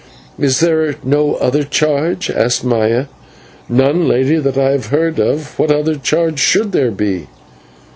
"Is there no other charge?" asked Maya. "None, lady, that I have heard of. What other charge should there be?"